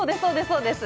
そうです